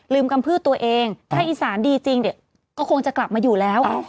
กำพืชตัวเองถ้าอีสานดีจริงเดี๋ยวก็คงจะกลับมาอยู่แล้ว